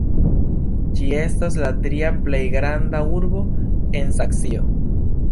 Ĝi estas la tria plej granda urbo en Saksio.